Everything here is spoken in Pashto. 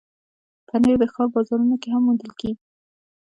پنېر د ښار بازارونو کې هم موندل کېږي.